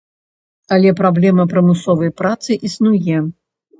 Але праблема прымусовай працы існуе.